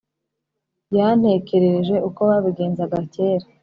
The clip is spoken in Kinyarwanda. yantekerereje uko babigenzaga cyera.